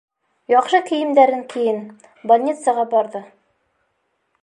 Яҡшы кейемдәрен кейен, больницаға барҙы.